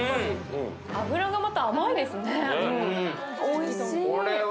脂がまた甘いですね。